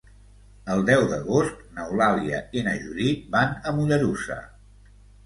El deu d'agost n'Eulàlia i na Judit van a Mollerussa.